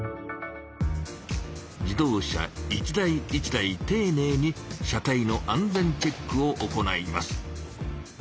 自動車一台一台ていねいに車体の安全チェックを行います。